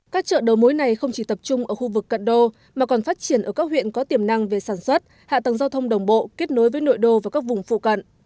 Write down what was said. các chợ đầu mối này không chỉ tập trung ở khu vực cận đô mà còn phát triển ở các huyện có tiềm năng về sản xuất hạ tầng giao thông đồng bộ kết nối với nội đô và các vùng phụ cận